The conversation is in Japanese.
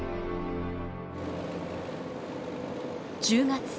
１０月。